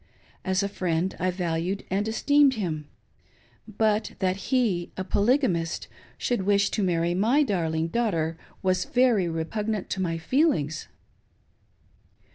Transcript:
As a friend, I valued and esteemed him ; but that he, a,polygamist, should wish to marry my darling daughter, was very repugnant to my feelings.